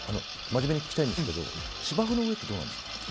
真面目に聞きたいんですけど芝生の上ってどうですか？